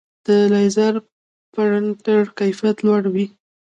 د لیزر پرنټر کیفیت لوړ وي.